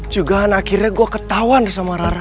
jugahan akhirnya gue ketauan deh sama rara